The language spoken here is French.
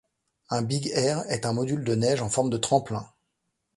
Un big air est un module de neige en forme de tremplin.